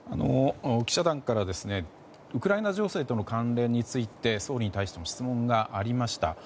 記者団からウクライナ情勢との関連について総理に対しての質問がありました。